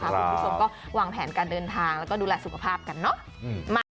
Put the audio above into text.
คุณผู้ชมก็วางแผนการเดินทางแล้วก็ดูแลสุขภาพกันเนอะ